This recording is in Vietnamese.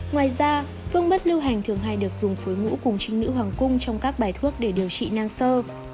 ngoài ra phương mắt lưu hành thường hay được dùng phối ngũ cùng trinh nữ hoàng cung trong các bài thuốc để điều trị nang sơ